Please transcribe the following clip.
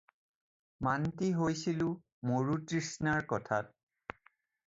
মান্তি হৈছিলোঁ মৰুতৃষ্ণাৰ কথাত।